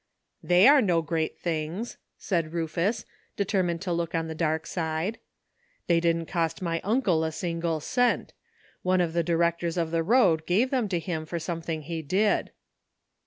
''They are no great things," said Rufus, determined to look on the dark side. ''They didn't cost my uncle a single cent. One of the directors of the road gave them to him for something he did."